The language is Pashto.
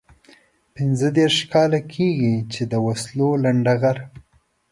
پنځه دېرش کاله کېږي چې د وسلو لنډه غر.